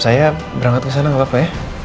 saya berangkat kesana gapapa ya